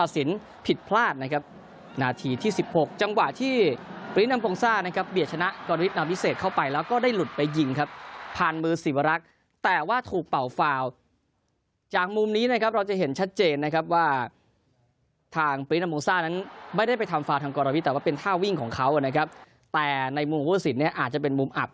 สินผิดพลาดนะครับนาทีที่๑๖จังหวะที่ชนะกรวิทย์นำวิเศษเข้าไปแล้วก็ได้หลุดไปยิงครับผ่านมือสิวรักษ์แต่ว่าถูกเป่าฟาวจากมุมนี้นะครับเราจะเห็นชัดเจนนะครับว่าทางปรินามูซ่านั้นไม่ได้ไปทำฟาวทางกรวิทแต่ว่าเป็นท่าวิ่งของเขานะครับแต่ในมุมของผู้สินเนี่ยอาจจะเป็นมุมอับ